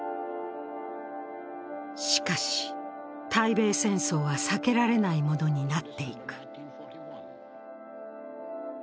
しかし、対米戦争は避けられないものになっていく。